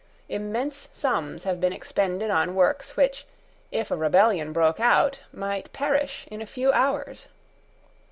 Immense sums have been expended on works which, if a rebellion broke out, might perish in a few hours.